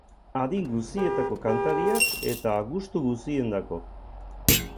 Adin guzietako kantariak eta gustu guziendako.